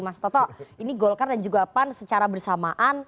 mas toto ini golkar dan juga pan secara bersamaan